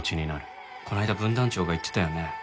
この間分団長が言ってたよね。